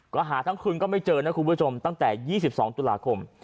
ก็หาทั้งคืนก็ไม่เจอนะคุณผู้ชมตั้งแต่๒๒ตุลาคม